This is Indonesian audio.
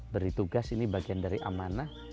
beri tugas ini bagian dari amanah